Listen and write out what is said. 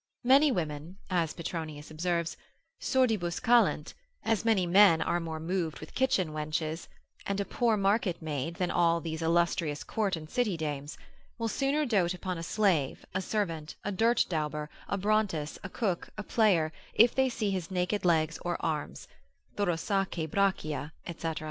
Many women (as Petronius observes) sordibus calent (as many men are more moved with kitchen wenches, and a poor market maid, than all these illustrious court and city dames) will sooner dote upon a slave, a servant, a dirt dauber, a brontes, a cook, a player, if they see his naked legs or arms, thorosaque brachia, &c.